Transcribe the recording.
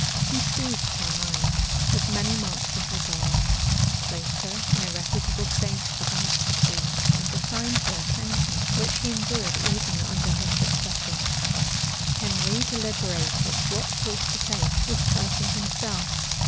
He soothed her mind with many marks of regard, placed her in a reputable station about the queen and assigned her a pension, which she enjoyed even under his successor. {1498.} Henry deliberated what course to take with Perkin himself.